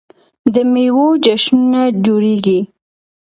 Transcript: د میوو جشنونه جوړیږي.